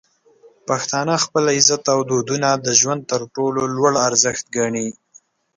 پښتانه خپل عزت او دودونه د ژوند تر ټولو لوړ ارزښت ګڼي.